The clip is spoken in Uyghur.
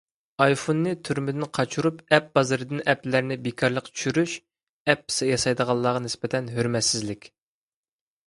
ئايفوننى تۈرمىدىن قاچۇرۇپ ئەپ بازىرىدىن ئەپلەرنى بىكارلىق چۈشۈرۈش، ئەپ ياسايدىغانلارغا نىسبەتەن ھۆرمەتسىزلىك.